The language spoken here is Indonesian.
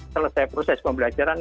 selesai proses pembelajaran